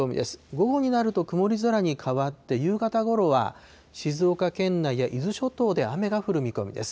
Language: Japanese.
午後になると曇り空に変わって、夕方ごろは静岡県内や伊豆諸島で雨が降る見込みです。